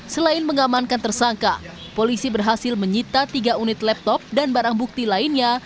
selain mengamankan tersangka polisi berhasil menyita tiga unit laptop dan barang bukti lainnya